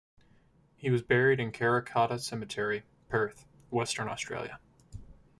He was buried in Karrakatta Cemetery, Perth, Western Australia.